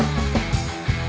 eh udah dong udah